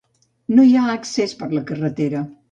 No hi ha accés per carretera.